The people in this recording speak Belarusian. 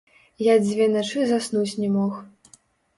Я дзве начы заснуць не мог.